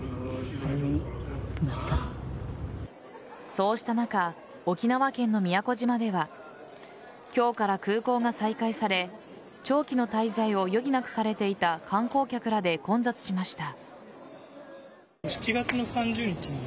そうした中沖縄県の宮古島では今日から空港が再開され長期の滞在を余儀なくされていた観光客らで混雑しました。